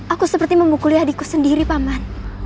aku seperti memukuli adikku sendiri paman